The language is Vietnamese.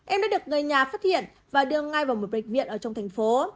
em đã được người nhà phát hiện và đưa ngay vào một bệnh viện ở trong thành phố